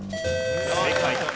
正解。